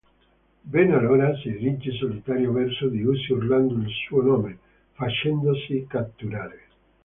Ben allora si dirige solitario verso di essi urlando il suo nome, facendosi catturare.